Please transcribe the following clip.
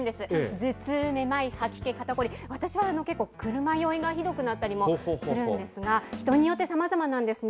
頭痛、めまい、吐き気、肩凝り、私は結構、車酔いがひどくなったりもするんですが、人によってさまざまなんですね。